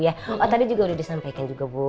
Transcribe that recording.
oh tadi juga udah disampaikan juga bu